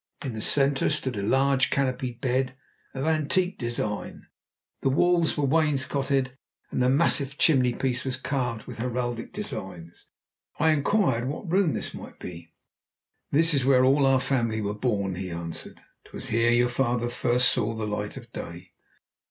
In the centre stood a large canopied bed, of antique design. The walls were wainscoted, and the massive chimney piece was carved with heraldic designs. I inquired what room this might be. "This is where all our family were born," he answered. "'Twas here your father first saw the light of day."